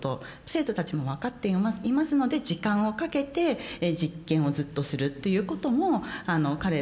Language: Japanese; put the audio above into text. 生徒たちも分かっていますので時間をかけて実験をずっとするということも彼らはできるんですね。